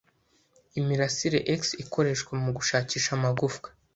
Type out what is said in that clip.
Imirasire X ikoreshwa mugushakisha amagufwa.